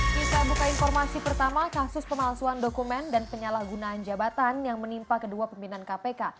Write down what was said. kita buka informasi pertama kasus pemalsuan dokumen dan penyalahgunaan jabatan yang menimpa kedua pimpinan kpk